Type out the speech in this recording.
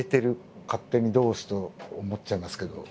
勝手に同志と思っちゃいますけど。